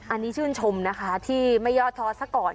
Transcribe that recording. อันนี้ชื่นชมนะคะที่ไม่ย่อท้อซะก่อน